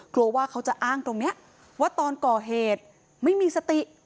กลัวว่าเขาจะอ้างตรงนี้ว่าตอนก่อเหตุไม่มีสติ